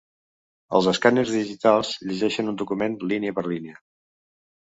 Els escàners digitals llegeixen un document línia per línia.